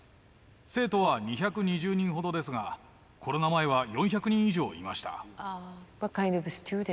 生徒は２２０人ほどですが、コロナ前は４００人以上いました。